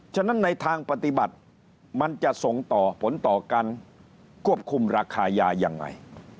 ฉะนั้นในทางปฏิบัติมันจะส่งต่อผลต่อการควบคุมราคายายังไง